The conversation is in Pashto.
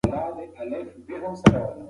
د سلا مشورو ارزښت يې پېژانده.